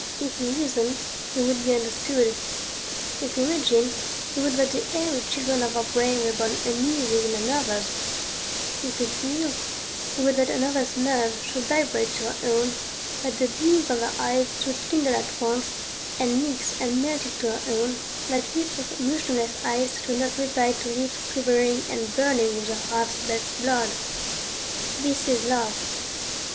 If we reason, we would be understood; if we imagine, we would that the airy children of our brain were born anew within another's; if we feel, we would that another's nerves should vibrate to our own, that the beams of their eyes should kindle at once and mix and melt into our own, that lips of motionless ice should not reply to lips quivering and burning with the heart's best blood. This is Love.